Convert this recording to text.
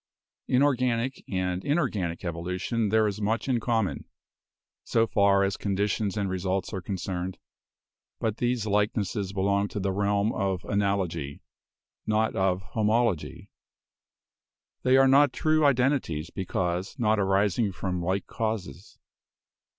In organic and inorganic evolution there is much in common, so far as conditions and results are concerned; but these likenesses belong to the realm of ORIGIN OF SPECIES 129 analogy, not of homology. They are not true identities because not arising from like causes.